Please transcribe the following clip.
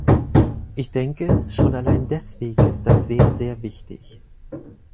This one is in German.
Ich denke, schon allein deswegen ist das sehr, sehr wichtig.